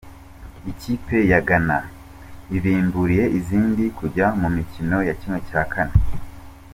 Ikipe ya gana ibimburiye izindi kujya mu mikino ya kimwe cyakane